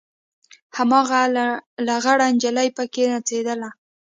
هماغه لغړه نجلۍ پکښې نڅېدله.